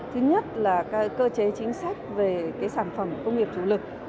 thứ nhất là cơ chế chính sách về sản phẩm công nghiệp chủ lực